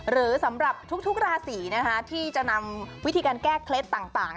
หรือสำหรับทุกราศีที่จะนำวิธีการแก้เคล็ดต่าง